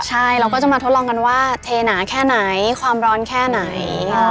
ใช่เราก็จะมาทดลองกันว่าเทหนาแค่ไหนความร้อนแค่ไหน